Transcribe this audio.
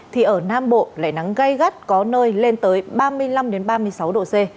thì ở nam bộ lại nắng gây gắt có nơi lên tới ba mươi năm ba mươi sáu độ c